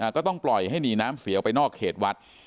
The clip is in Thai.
ก็ต้องปล่อยให้หนีน้ำเสียวไปนอกเขตวัด